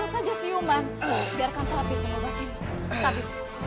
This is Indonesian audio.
saja siuman biarkan tapi cepat obat putraku